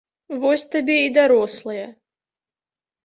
Вось табе і дарослая!